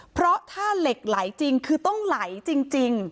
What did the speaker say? เพราะถ้าเหล็กไหลจริงคือต้องไหลจริง